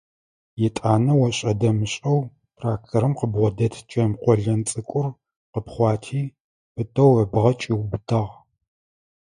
Етӏанэ ошӏэ-дэмышӏэу тракторым къыбгъодэт чэм къолэн цӏыкӏур къыпхъуати, пытэу ыбгъэ кӏиубытагъ.